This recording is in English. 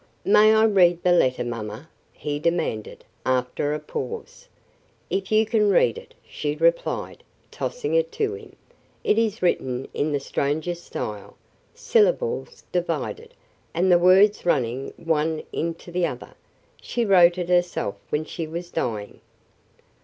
"May I read the letter, mamma?" he demanded, after a pause. "If you can read it," she replied, tossing it to him. "It is written in the strangest style; syllables divided, and the words running one into the other. She wrote it herself when she was dying."